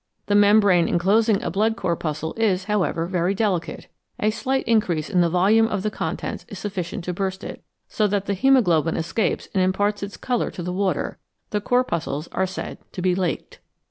The membrane enclosing a blood corpuscle is, however, very delicate ; a slight increase in the volume of the contents is sufficient to burst it, so that the haemoglobin escapes and imparts its colour to the water ; the corpuscles are said to be " laked."